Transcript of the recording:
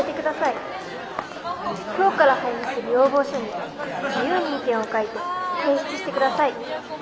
今日から配布する要望書に自由に意見を書いて提出して下さい。